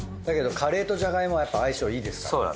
だけどカレーとじゃがいもはやっぱ相性いいですから。